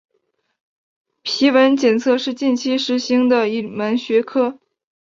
皮纹检测是近期时兴的一门学科。